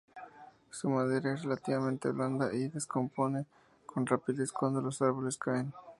Su madera es relativamente blanda y se descompone con rapidez cuando los árboles caen.